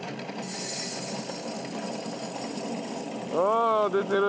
あ出てる。